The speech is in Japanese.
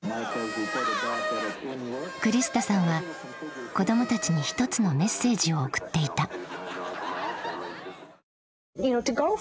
クリスタさんは子どもたちに一つのメッセージを送っていた。